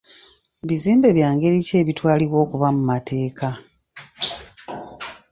Bizimbe bya ngeri ki ebitwalibwa okuba mu mateeka?